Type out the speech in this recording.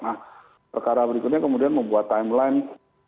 nah perkara berikutnya kemudian membuat timeline